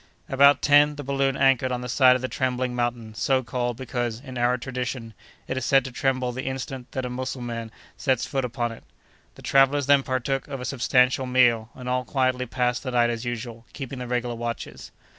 About ten the balloon anchored on the side of the Trembling Mountain, so called, because, in Arab tradition, it is said to tremble the instant that a Mussulman sets foot upon it. The travellers then partook of a substantial meal, and all quietly passed the night as usual, keeping the regular watches.